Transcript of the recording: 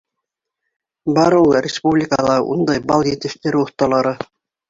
Бар ул республикала ундай бал етештереү оҫталары!